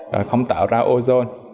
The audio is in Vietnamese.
rồi không tạo ra ozone